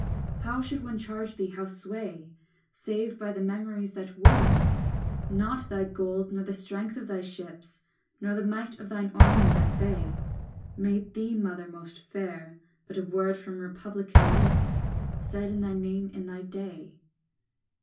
VI How should one charge thee, how sway, Save by the memories that were? Not thy gold nor the strength of thy ships, Nor the might of thine armies at bay, Made thee, mother, most fair; But a word from republican lips Said in thy name in thy day.